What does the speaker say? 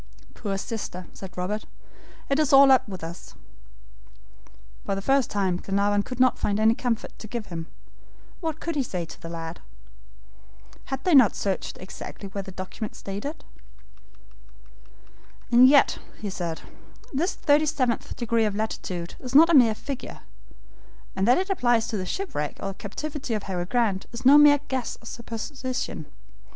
"Poor sister!" said Robert. "It is all up with us." For the first time Glenarvan could not find any comfort to give him. What could he say to the lad? Had they not searched exactly where the document stated? "And yet," he said, "this thirty seventh degree of latitude is not a mere figure, and that it applies to the shipwreck or captivity of Harry Grant, is no mere guess or supposition.